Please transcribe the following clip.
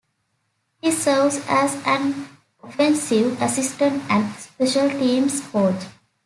He serves as an offensive assistant and Special Teams coach.